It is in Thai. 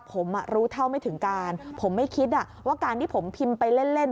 ผมรู้เท่าไม่ถึงการผมไม่คิดว่าการที่ผมพิมพ์ไปเล่นเล่น